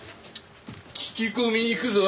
聞き込み行くぞ。